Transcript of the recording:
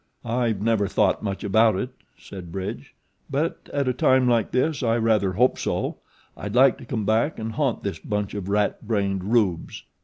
"I've never thought much about it," said Bridge; "but at a time like this I rather hope so I'd like to come back and haunt this bunch of rat brained rubes."